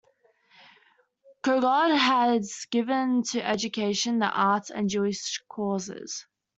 Kogod has given to education, the arts, and Jewish causes.